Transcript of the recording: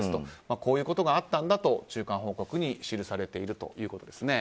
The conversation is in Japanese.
こういうことがあったんだと中間報告に記されているということです。